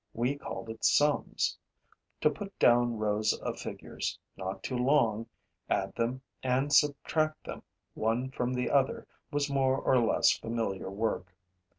We called it sums. To put down rows of figures, not too long, add them and subtract them one from the other was more or less familiar work.